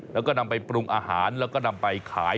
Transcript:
แล้วก็นำไปปรุงอาหารแล้วก็นำไปขาย